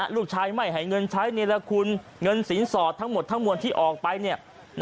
ลูกชายไม่ให้เงินใช้เนรคุณเงินสินสอดทั้งหมดทั้งมวลที่ออกไป